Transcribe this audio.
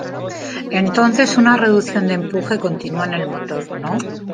Entonces, una reducción de empuje continua en el motor no.